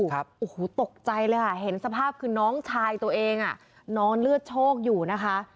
โอ้โหตกใจเลยค่ะเห็นสภาพคือน้องชายตัวเองอ่ะนอนเลือดโชคอยู่นะคะ